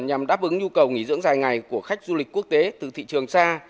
nhằm đáp ứng nhu cầu nghỉ dưỡng dài ngày của khách du lịch quốc tế từ thị trường xa